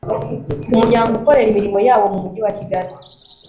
umuryango ukorera imirimo yawo mu mujyi wa kigali